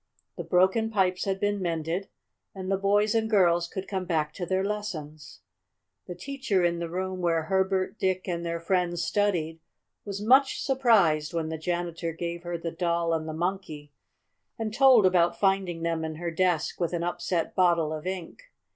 The broken pipes had been mended, and the boys and girls could come back to their lessons. The teacher in the room where Herbert, Dick and their friends studied was much surprised when the janitor gave her the Doll and the Monkey, and told about finding them in her desk with an upset bottle of ink.